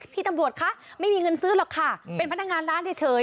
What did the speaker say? พี่ตำรวจคะไม่มีเงินซื้อหรอกค่ะเป็นพนักงานร้านเฉย